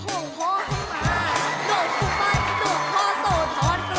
หลวงทุบังหลวงพ่อโตทอน